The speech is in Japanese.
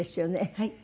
はい。